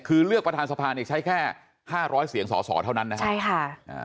คือเลือกประธานสภาใช้แค่๕๐๐เสียงก็เกิดเหรอครับ